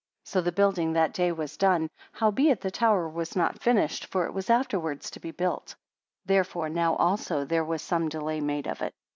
40 So the building that day was done; howbeit the tower was not finished, for it was afterwards to be built; therefore now also there was some delay made of it.